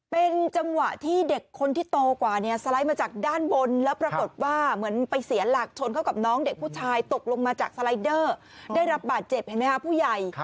เป็นจังหวะที่เด็กคนที่โตกว่าเนี่ยสไลด์มาจากด้านบนแล้วปรากฏว่าเหมือนไปเสียหลักชนเข้ากับน้องเด็กผู้ชายตกลงมาจากสไลเดอร์ได้รับบาดเจ็บเห็นไหมครับผู้ใหญ่